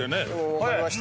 分かりました。